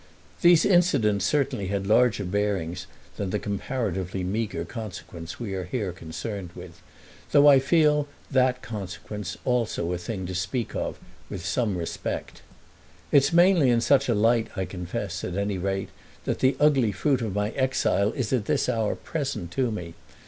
These incidents certainly had larger bearings than the comparatively meagre consequence we are here concerned with—though I feel that consequence also a thing to speak of with some respect. It's mainly in such a light, I confess, at any rate, that the ugly fruit of my exile is at this hour present to me.